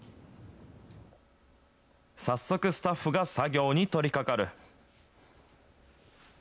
早速スタッフが作業に取りかかる。